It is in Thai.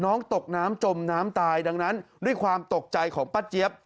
น้องตกน้ำจมน้ำตายดังนั้นด้วยความตกใจของป้าเจี๊ยบ